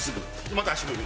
また足踏み。